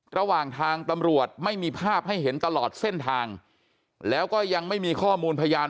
ระหว่างทางตำรวจไม่มีภาพให้เห็นตลอดเส้นทางแล้วก็ยังไม่มีข้อมูลพยาน